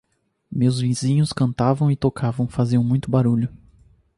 Meus vizinhos cantavam e tocavam, faziam muito barulho.